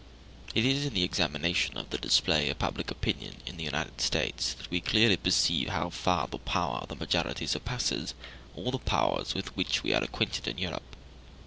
It is in the examination of the display of public opinion in the United States that we clearly perceive how far the power of the majority surpasses all the powers with which we are acquainted in Europe.